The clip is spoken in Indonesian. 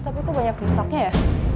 tapi itu banyak rusaknya ya